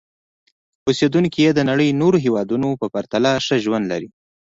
اوسېدونکي یې د نړۍ نورو هېوادونو په پرتله ښه ژوند لري.